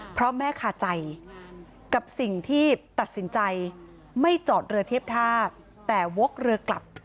เพราะแม่คาใจกับสิ่งที่ตัดสินใจไม่จอดเรือเทียบท่าแต่วกเรือกลับ